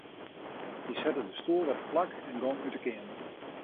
Hy sette de stoel wer teplak en gong út 'e keamer.